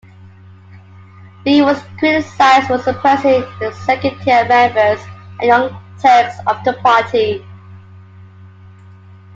Lee was criticized for suppressing the second-tier members and "Young Turks" of the party.